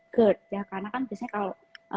gerd ya karena kan biasanya kalau